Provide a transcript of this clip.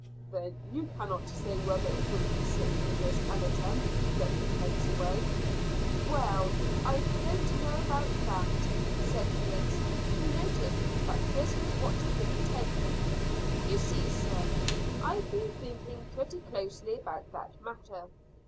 "Then you cannot say whether it would be safe to risk an attempt to get the kegs away?" "Well, I don't know about that," said Griggs, who noted that Chris was watching him intently. "You see, sir, I've been thinking pretty closely about that matter.